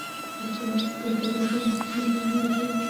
د اختطافونو مخه نیول شوې